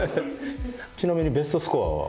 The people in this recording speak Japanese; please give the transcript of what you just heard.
ちなみにベストスコアは？